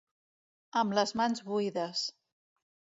Amb les mans buides.